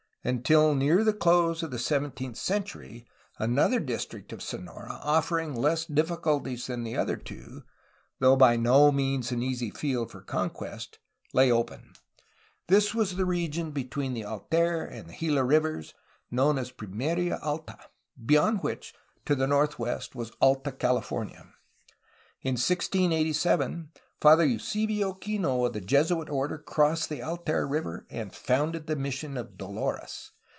Until near the close of the seventeenth century another district of Sonora, offering less difficulties than the other two, though by no means an easy field for conquest, lay open. This was the region between the Altar and Gila rivers, known as Pimeria Alta, beyond which to the north west was Alta California. In 1687 Father Eusebio Kino of the Jesuit order crossed the Altar River and founded the '^mission of Dolores.